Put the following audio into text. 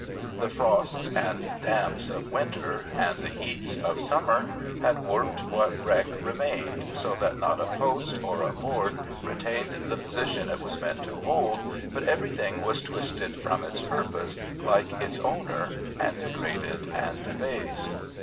The frosts and damps of winter, and the heats of summer, had warped what wreck remained, so that not a post or a board retained the position it was meant to hold, but everything was twisted from its purpose, like its owner, and degraded and debased.